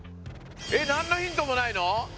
えっ何のヒントもないの？